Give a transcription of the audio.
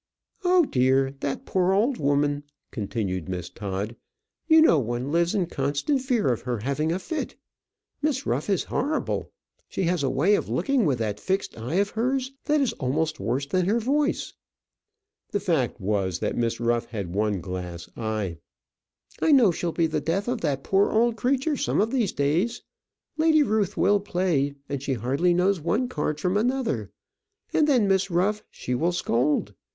"Oh, dear! that poor old woman!" continued Miss Todd. "You know one lives in constant fear of her having a fit. Miss Ruff is horrible. She has a way of looking with that fixed eye of hers that is almost worse than her voice." The fact was, that Miss Ruff had one glass eye. "I know she'll be the death of that poor old creature some of these days. Lady Ruth will play, and she hardly knows one card from another. And then Miss Ruff, she will scold.